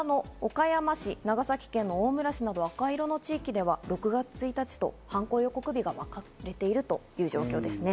西側の岡山市、長崎県大村市などの赤色の地域では６月１日と犯行予告日がわかれているという状況ですね。